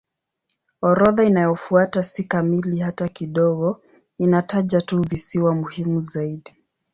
Orodha inayofuata si kamili hata kidogo; inataja tu visiwa muhimu zaidi.